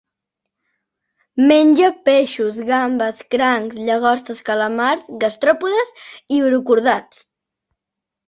Menja peixos, gambes, crancs, llagostes, calamars, gastròpodes i urocordats.